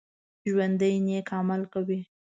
ژوندي نیک عمل کوي